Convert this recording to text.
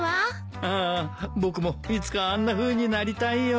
ああ僕もいつかあんなふうになりたいよ。